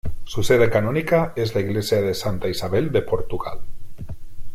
Su sede canónica es la iglesia de Santa Isabel de Portugal.